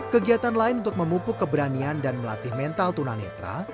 kegiatan lain untuk memupuk keberanian dan melatih mental tunanetra